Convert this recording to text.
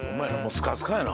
スカスカやな。